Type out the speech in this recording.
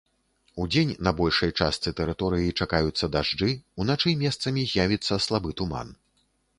Удзень на большай частцы тэрыторыі чакаюцца дажджы, уначы месцамі з'явіцца слабы туман.